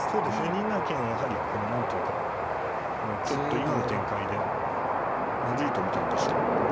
２七金はやはりこの何ていうかもうちょっと今の展開でまずいと見たんでしょう。